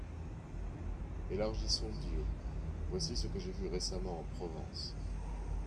Élargissons Dieu ! Voici ce que j'ai vu récemment en Provence.